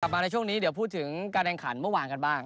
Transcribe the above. มาในช่วงนี้เดี๋ยวพูดถึงการแข่งขันเมื่อวานกันบ้าง